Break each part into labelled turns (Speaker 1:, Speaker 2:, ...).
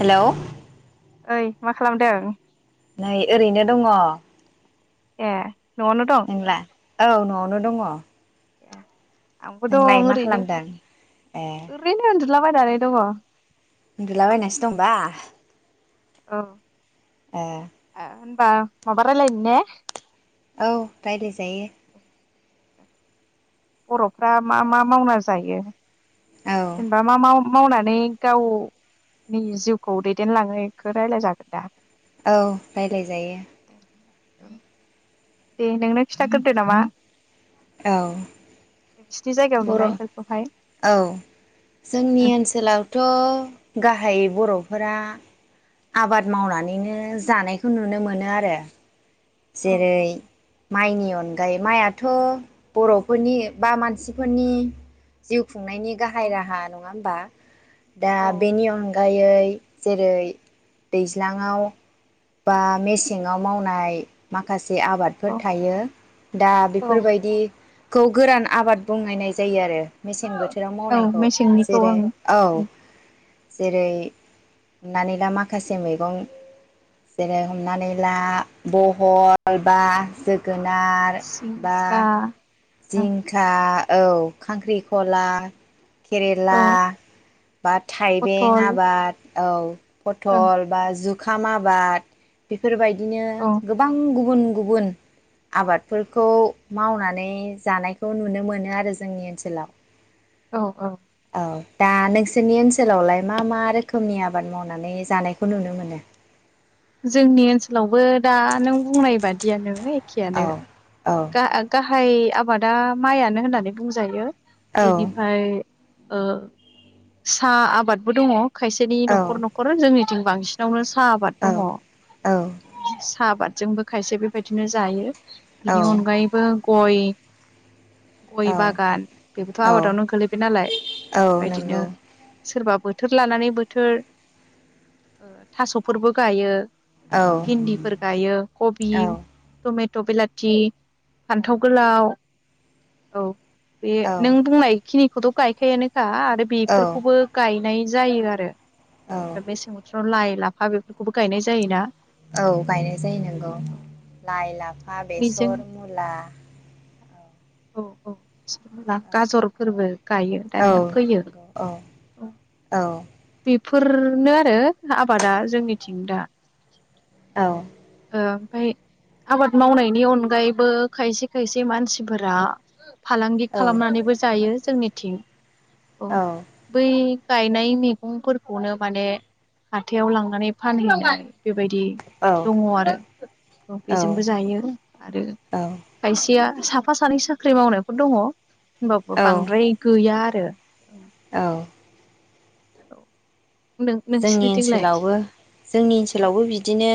Speaker 1: हेल'
Speaker 2: ओइ मा खालामदों?
Speaker 1: नै ओरैनो दङ।
Speaker 2: ए। न'आवनो दं
Speaker 1: नोंलाय औ न'आवनो दङ।
Speaker 2: ए आंबो दं
Speaker 1: नोंलाय मा
Speaker 2: ओरैनो
Speaker 1: खालामदों ए
Speaker 2: ओरैनो उन्दु ला बायनानै दङ।
Speaker 1: उन्दुला बायनासो दंबा?
Speaker 2: औ।
Speaker 1: ए।
Speaker 2: बा माबा रायलायनो ने?
Speaker 1: औ रायलाय जायो।
Speaker 2: बर'फ्रा मा मा मावना जायो?
Speaker 1: औ
Speaker 2: जेनेबा मा माव मावनानै गावनि जिउखौ दैदेनलाङो बेखौ रायलाय जागोन दा?
Speaker 1: औ रायलाय जायो।
Speaker 2: दे नोंनो खिन्थाग्रोदो नामा।
Speaker 1: औ।
Speaker 2: नोंसिनि जायगायाव
Speaker 1: बर
Speaker 2: नुनायफोरखौहाय
Speaker 1: औ जोंनि ओनसोलावथ। गाहायै बरफोरा आबाद मावनानैनो जानायखौ नुनो मोनो आरो।
Speaker 2: औ
Speaker 1: जेरै माइनि अनगायै माइथ बरफोरनि बा मानसिफोरनि जिउ खुंनायनि
Speaker 2: औ
Speaker 1: गाहाय राहा न [unintelligible] दा
Speaker 2: औ
Speaker 1: बेनि अ [unintelligible] जेरै दैज्लाङाव बा मेसेंआव मावनाय। माखासे से आबादफोर
Speaker 2: औ
Speaker 1: थायो दा
Speaker 2: औ
Speaker 1: बेफोर बायदि। खौ गोरान आबाद बुंनायनाय जायो आरो। मेसें बोथोराव
Speaker 2: औ
Speaker 1: मावनायखौ
Speaker 2: मेसेंनिखौ
Speaker 1: जेरै
Speaker 2: ओं
Speaker 1: औ। जेरै हमनानै ला माखासे मैगं जेरै हमनानै ला ब हल बा जोगो नार बा।
Speaker 2: जिंखा ओं
Speaker 1: जिंखा औ खांख्रिखला।
Speaker 2: औ
Speaker 1: केरेला बा थाइबें
Speaker 2: पथल
Speaker 1: आबाद। औ।
Speaker 2: ओं
Speaker 1: पथल बा जु खाम आबाद बेफोरबाय बिदिनो
Speaker 2: औ
Speaker 1: गोबां गु गुबुन गुबुन आबादफोरखौ मावनानै जानायखौ नुनो मोनो आरो जोंनि ओनसोलाव।
Speaker 2: औ औ।
Speaker 1: अ दा नोंसोरनि ओनसोलावलाय मा मा रोखोमनि आबाद मावनानै जानायखौ नुनो मोनो?
Speaker 2: जोंनि ओनसोलावबो दा नों बुंनाय बादि गियान नोयै खियानो
Speaker 1: औ औ
Speaker 2: गा गा - हाइ आबादा माइआनो होननानै बुंजायो।
Speaker 1: औ
Speaker 2: एनिफाय ओ सा आबादबो दङ। खायसेनि
Speaker 1: औ
Speaker 2: नखर नखर जोंनि जों बांसिनावनो सा
Speaker 1: औ
Speaker 2: दङ'
Speaker 1: औ
Speaker 2: [unintelligible] साहा आबादजोंबो खायसे बेबायदिनो जायो। बिनि
Speaker 1: औ
Speaker 2: अनगायैबो गय गय
Speaker 1: औ
Speaker 2: बागान बेबोथ'
Speaker 1: औ
Speaker 2: आबादावनो गोलैबाय नालाय
Speaker 1: औ
Speaker 2: बेबायदिनो
Speaker 1: नंगौ
Speaker 2: सोरबा बो थोर लानानै बोथोर ओ थास'फोरबो गायो।
Speaker 1: औ
Speaker 2: भिन्दिफोर गायो कबि, थमे थ बिलाथि, फान्थाव गोलाव औ। बे
Speaker 1: औ
Speaker 2: नों बुंनायखिनि खौथ' गायखायानो खा आरो बेफोरखौबो
Speaker 1: औ
Speaker 2: गाय नाय जायो आरो।
Speaker 1: औ
Speaker 2: [unintelligible] लाइ लाफा बो बेखौबो गायनाय जायोना
Speaker 1: औ गायनाय जायो नोंगौ लाइ, लाफा,
Speaker 2: बेजों
Speaker 1: बेसर, मुला
Speaker 2: औ औ। मुला गाजरफोरबो गायो
Speaker 1: औ
Speaker 2: दानिया फैयो
Speaker 1: औ
Speaker 2: अ
Speaker 1: औ
Speaker 2: बे फोरनो आरो आबादा जोंनिथिं दा।
Speaker 1: औ।
Speaker 2: ओ ओमफाय आबाद मावनायनि अनगायैबो खायसे खायसे मानसि फोरा फालांगि खालामनानैबो जायो। जों निथिं। अ बै गायनाय मैगंफोरखौनो माने हाथाइयाव लांनानै फानहैयो जायो बे बेबायदि दङ' आरो बेजोंबो जायो आरो खायसेया स [unintelligible] साफा सानै साख्रि मावनायफोर दङ'।
Speaker 1: औ
Speaker 2: होनबाबो
Speaker 1: औ
Speaker 2: बांद्राय गैया आरो। रो।
Speaker 1: औ।
Speaker 2: औ। नों
Speaker 1: जोंनि
Speaker 2: नोंसिनिथिंलाय
Speaker 1: ओनसोलावबो जोंनि ओनसोलावबो बिदिनो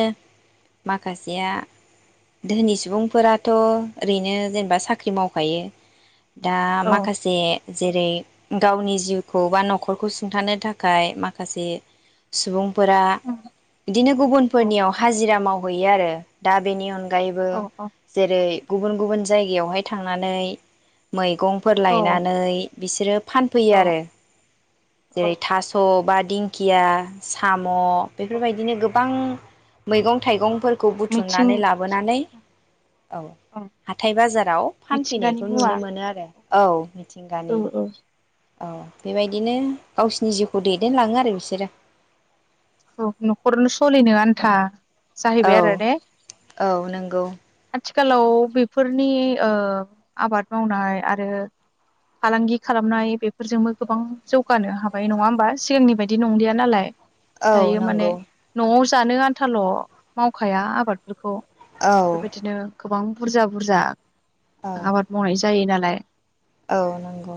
Speaker 1: माखासेया धोनि सुबुंफोराथ' ओरैनो जेनेबा साख्रि मावखायो दा
Speaker 2: औ
Speaker 1: माखासे जेरै गावनि जिउखौ बा नखरखौ सुंथानो थाखाय माखासे सुबुं फोरा
Speaker 2: औ
Speaker 1: बिदिनो
Speaker 2: औ
Speaker 1: गुबुनफोरनियाव हाजिरा माव हैयो आरो दा बेनि अन गायैबो
Speaker 2: औ
Speaker 1: जेरै गुबुन गुबुन जायगायावहाय थांनानै मै गंफोर लायनानै बिसोरो फानफैयो
Speaker 2: औ
Speaker 1: आरो
Speaker 2: औ
Speaker 1: जेरै
Speaker 2: औ
Speaker 1: थास बा खिया साम म' बेफोरबायदिनो गोब बां मैगं थाइगंफोर खौ
Speaker 2: मिथिं
Speaker 1: बुथुमनानै लाबोनानै औ
Speaker 2: ओं
Speaker 1: हाथाय बाजाराव
Speaker 2: मिथिंगानि
Speaker 1: फानफैनायखौ
Speaker 2: मुवा
Speaker 1: नुनो मोनो आरो औ
Speaker 2: औ
Speaker 1: मिथिंगानि
Speaker 2: औ
Speaker 1: औ बेबायदिनो गावसिनि जिउखौ दैदेनलाङो आरो बिसोरो।
Speaker 2: औ न'खरावनो सोलिनो आन्था जाहैबाय
Speaker 1: औ
Speaker 2: आरो ने
Speaker 1: औ नोंगौ।
Speaker 2: थिखालाव बेफोरनि आबाद मावनाय आरो फालांगि खालामनाय बेफोरजोंबो गोबां जौगानो हाबाय नङा होमबा सिगांनि बायदि नंलिया नालाय।
Speaker 1: औ
Speaker 2: दायो माने
Speaker 1: नंगौ
Speaker 2: न'आव जानो आन्थाल' मावखाया आबादफोरखौ।
Speaker 1: औ
Speaker 2: बेबायदिनो गोबां बुरजा बुरजा
Speaker 1: औ
Speaker 2: आबाद मावनाय जा जायो नालाय।
Speaker 1: औ नंगौ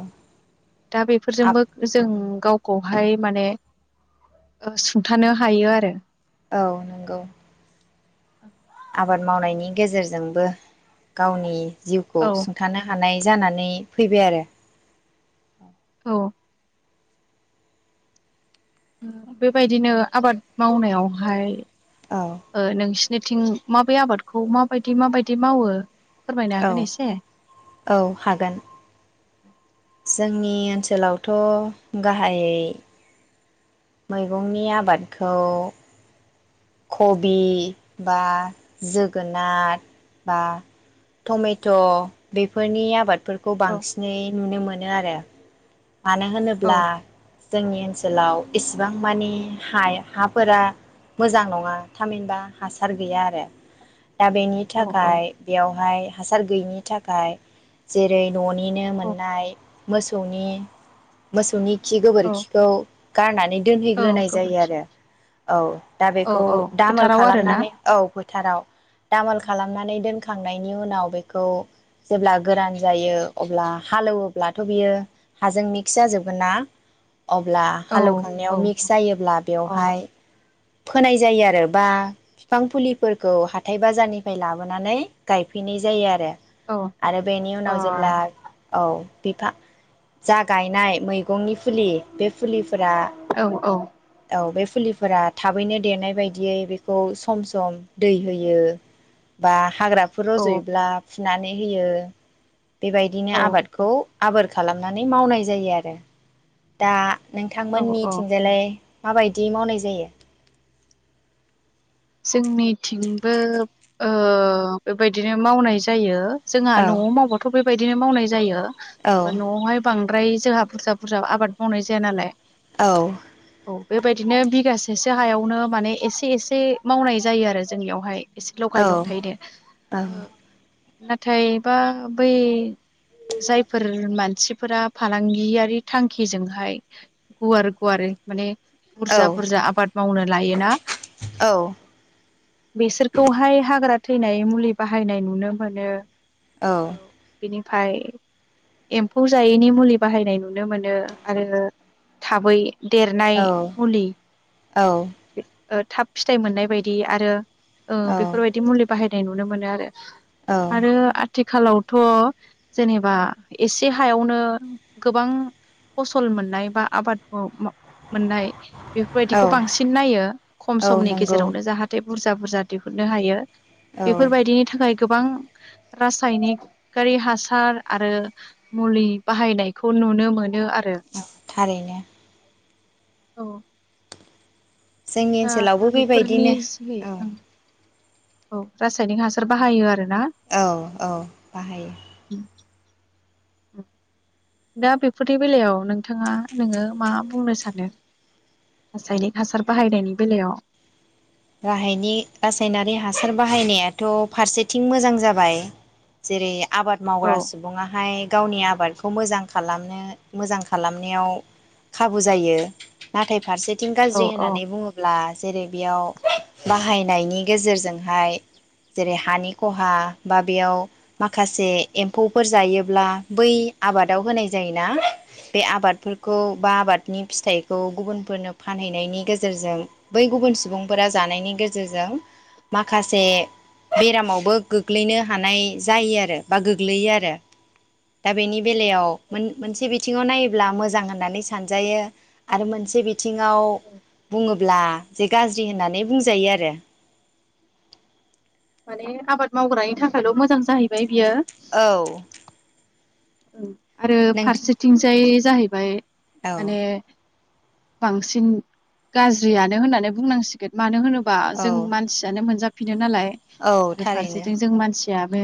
Speaker 2: दा
Speaker 1: आब
Speaker 2: बेफोरजोंबो जों गावखौ बाहाय माने ओ सुंथानो हायो आरो
Speaker 1: औ नंगौ।
Speaker 2: [inaudible]
Speaker 1: आबाद मावनायनि गेजेरजोंबो गावनि जिउखौ
Speaker 2: औ
Speaker 1: सुंथानो हानाय जानानै फैबाय आरो
Speaker 2: औ। बेबायदिनो आबाद मावनायाव हाय
Speaker 1: औ
Speaker 2: नोंसिनिथिं माबे आबाद खौ माबायदि माबायदि मावो? फोरमायनो
Speaker 1: औ
Speaker 2: हागोन एसे?
Speaker 1: औ हागोन। जोंनि ओनसोलाव। थ गाहायै। मैगंनि आबादखौ। कबि बा जोगोनार बा टमेट बेफोरनि आबाद। बेफोरखौ
Speaker 2: औ
Speaker 1: बांसिनै नुनो मोनो। बिनो आरो। मानो
Speaker 2: औ
Speaker 1: होनोब्ला। जोंनि ओनसोलाव इसिबां मानि हा-हाफोरा। मोजां नङा थामहिनबा हासार गैया आरो। दा बेनि
Speaker 2: औ औ
Speaker 1: थाखाय बेयाव हाय। हासार गैयिनि थाखाय जेरै ननिनो
Speaker 2: औ
Speaker 1: मोननाय मोसौनि मोसौनि। खि
Speaker 2: औ
Speaker 1: गोबोरखिखौ। गारनानै।
Speaker 2: औ
Speaker 1: दोनहैग्रोनाय जायो
Speaker 2: गोबोरखि
Speaker 1: आरो औ। दा
Speaker 2: औ
Speaker 1: बेखौ
Speaker 2: औ
Speaker 1: दामोल
Speaker 2: फोथाराव आरोना
Speaker 1: खालामनानै औ फोथाराव दामोल
Speaker 2: औ
Speaker 1: खालामनानै दोनखांनायनि उनाव। उ बेखौ जेब्ला गोरान जायो अब्ला हालेवोब्लाथ बियो हाजों मिक्स जाजोबगोन ना अब्ला
Speaker 2: औ औ
Speaker 1: हालेवखांनायाव मिक्स जायोब्ला
Speaker 2: औ
Speaker 1: बेवहाय फोनाय जायो आरो बा बिफां फुलिफोरखौ हाथाय बाजारनिफ्राय लाबोनानै गायफैनाय जायो आरो
Speaker 2: औ
Speaker 1: आरो बेनि उनाव जेब्ला औ बिफा जा गायनाय मैगंनि फुलि बे फुलि फोर
Speaker 2: औ
Speaker 1: औ बे फुलिफोरा थाबैनो देरनाय बायदियै बेखौ सम सम दै होयो बा हाग्राफोर रजयोब्ला फिनानै होयो। बेबायदिनो आबादखौ आबोर खालामनानै मावनाय जायो आरो। दा
Speaker 2: औ
Speaker 1: नोंथांमोननि
Speaker 2: औ
Speaker 1: थिंजायालाय? माबायदि मावनाय जायो?
Speaker 2: जोंनिथिंबो ओ बेबायदिनो मावनाय जायो।
Speaker 1: औ
Speaker 2: जोंहा नआव मावबथ बे बेबायदिनो मावनाय जायो। अ न आवहाय बांद ओम्रफ्राय जोंहा बुरजा बुरजा आबाद मावनाय जाया नालाय ।
Speaker 1: औ ‌।
Speaker 2: औ बेबायदिनो बिगासेसो हायावनो माने एसे एसे मावनाय जायो आरो जोंनियावहाय । एसे लगाय ल थायो दे ओ नाथायबा बा बै जायफोर मानसिफोरा फालांगियारि थांखिजोंहाय गुवार गुवार माने बुरजा बुरजा आबाद मावनो लायोना बेसोरखौहाय हाग्रा थैनाय मुलि बाहायनाय नुनो मोनो । औ बिनि । ओमफाय एम्फौ जायैनि मुलि बाहायनाय नुनो मोनो आरो थाबै देरनाय
Speaker 1: औ
Speaker 2: मुलि ओ थाब फिथाइ मोननाय बायदि आरो ओ
Speaker 1: औ
Speaker 2: बेफोरबायदि मुलि बाहाय । होननाय नुनो मोनो आरो आरो आ आथिखालावथ जेनेबा एसे हायावनो गोबां फसल मोननाय बा आबाद [unintelligible] मोननाय
Speaker 1: औ
Speaker 2: बेफोरबायदिखौ बांसिन नायो । खम
Speaker 1: औ
Speaker 2: समनि
Speaker 1: नंगौ
Speaker 2: गेजेरावनो जाहाथे बुरजा बुरजा दिहुननो हायो ।
Speaker 1: औ
Speaker 2: बेफोरबायदिनि थाखाय गोबां रासायनिकारि हासार आरो मुलि बाहायनायखौ नुनो मोन
Speaker 1: औ थारैनो ।
Speaker 2: औ ।
Speaker 1: जोंनि ओनसोलावबो
Speaker 2: बेफोरनि
Speaker 1: बेबायदिनो
Speaker 2: जोहै
Speaker 1: औ ।
Speaker 2: औ रासायनिक हासार बाहायो आरो
Speaker 1: औ औ बाहायो ।
Speaker 2: दा बेफोरनि बेलायाव नोंथाङा नोङो मा बुंनो सानो रासायनिक हासार बाहायनायनि बेलायाव?
Speaker 1: गाहायनि रासायनारि हासार बाहायनायाथ फारसेथिं मोजां जाबाय जेरै आबाद
Speaker 2: औ
Speaker 1: मावग्रा सुबुङाहाय गावनि आबादखौ मोजां खालामनो मोजां खालामनायाव खाबु जायो नाथाय फारसे थिं
Speaker 2: औ
Speaker 1: गाज्रि
Speaker 2: औ
Speaker 1: होननानै बुङोब्ला जेरै बेयाव बाहायनायनि गेजेरजोंहाय जेरै हानि खहा बा बेयाव माखासे एम्फौफोर जायोब्ला बै आबादाव होनाय जायोना बे आबादफोरखौ बा आबादनि फिथाइखौ गुबुनफोरनो फानहैनायनि गेजेरजों बै गुबुन सुबुं फोरा जानायनि गेजेरजों माखासे बेरामावबो गोग्लैनो हानाय जायो आरो बा गोग्लैयो आरो। दा बेनि बेलायाव मोन-मोनसे बिथिङाव नायोब्ला मोजां होननानै सानजायो आरो मोनसे बि बिथिङाव बुङो ब्ला जे गाज्रि होननानै बुंजायो आरो।
Speaker 2: माने आबाद मावग्रानि थाखायल मोजां जाहैबाय बियो
Speaker 1: औ
Speaker 2: [unintelligible] ओम आरो
Speaker 1: नों
Speaker 2: फारसेथिंजाय जाहैबाय
Speaker 1: औ
Speaker 2: माने बांसिन गाज्रियानो होननानै बुंनांसिगोन मानो होनो बा
Speaker 1: औ
Speaker 2: जों मानसियानो मोनजा फिनो नालाय
Speaker 1: औ थारैनो।
Speaker 2: फाबो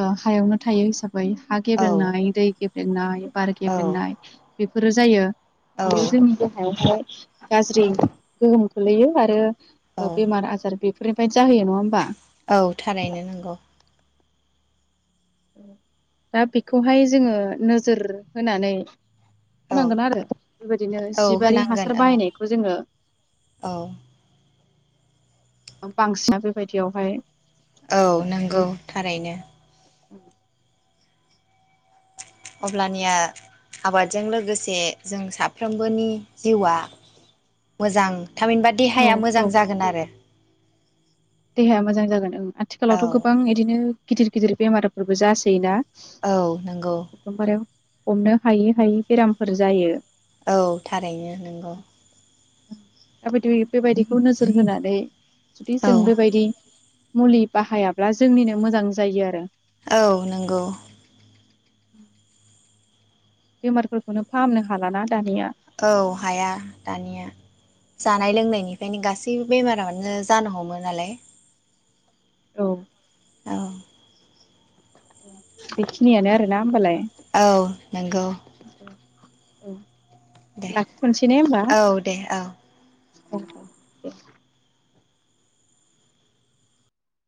Speaker 2: ओ हायावनो थायो हिसाब हा
Speaker 1: औ
Speaker 2: गेब्रेंनानै दैे गेब्रें दोननाय बार
Speaker 1: औ
Speaker 2: गेब्रेंनाय बेफोरो जायो।
Speaker 1: औ
Speaker 2: बेयो जोंनि बेवहाय गाज्रि गोहोम खोलैयो आरो
Speaker 1: औ
Speaker 2: ओ बेमार आजार बे बेफोरनिफ्रायनो जोहैयो नङा होमबा?
Speaker 1: औ थारैनो नंगौ।
Speaker 2: दा बेखौहाय जोङो नोजोर होनानै
Speaker 1: औ
Speaker 2: होनांगोन आरो बेबादिनो
Speaker 1: औ
Speaker 2: जिबारि
Speaker 1: होनांगोन
Speaker 2: हासार
Speaker 1: औ
Speaker 2: बाहायनायखौ जोङो
Speaker 1: औ
Speaker 2: बांसिना बेबायदियावहाय
Speaker 1: औ नोंगौ थारैनो।
Speaker 2: औ
Speaker 1: अब्लानिया आबादजों लोगोसे जों साफ्रोमबोनि जिउआ मोजां थामहिनबा
Speaker 2: औ
Speaker 1: देहाया मोजां
Speaker 2: औ
Speaker 1: जागोन आरो।
Speaker 2: देहाया मोजां जागोन ओं
Speaker 1: औ
Speaker 2: आथिखालावथ' गोबां इदिनो गिदिर गिदिर बेमारफोरबो जासोयोना
Speaker 1: औ नंगौ।
Speaker 2: एकदमबारे हमनो हायै हायै बेरामफोर जायो।
Speaker 1: औ थारैनो नोंगौ।
Speaker 2: [unintelligible] बेबायदिखौ नोजोर होनानै
Speaker 1: औ
Speaker 2: जों बेबायदि मुलि बाहायाब्ला जोंनिनो मोजां जायो आरो।
Speaker 1: औ नोंगौ।
Speaker 2: उम बेमारफोरखौनो फाहामनो हालाना दानिया
Speaker 1: औ हाया दानिया जानाय लोंनायनिफ्रायनो गासै बो बेमारानो जानो हमो नालाय
Speaker 2: औ
Speaker 1: औ
Speaker 2: बेखिनियानो आरोना होमबालाय?
Speaker 1: औ नोंगौ।
Speaker 2: औ लाखिथ'नसै ने होमबा?
Speaker 1: औ दे औ
Speaker 2: [unintelligible]